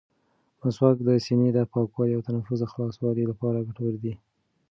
مسواک د سینې د پاکوالي او تنفس د خلاصوالي لپاره ګټور دی.